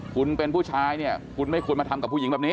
คุณเป็นผู้ชายเนี่ยคุณไม่ควรมาทำกับผู้หญิงแบบนี้